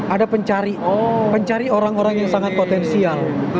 ada pencari orang orang yang sangat potensial